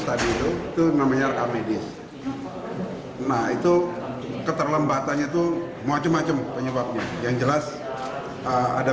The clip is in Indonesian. tadi itu namanya amedis nah itu keterlembatan itu macam macam penyebabnya yang jelas ada